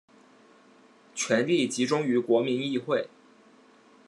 权力集中于国民议会。